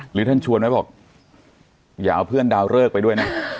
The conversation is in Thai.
หรือท่านชวนไว้บอกอย่าเอาเพื่อนดาวเลิกไปด้วยนะ